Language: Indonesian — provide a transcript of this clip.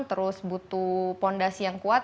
terus butuh fondasi yang kuat